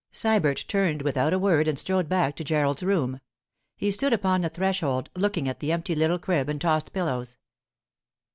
Sybert turned without a word and strode back to Gerald's room. He stood upon the threshold, looking at the empty little crib and tossed pillows.